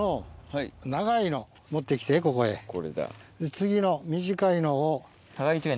次の短いのを。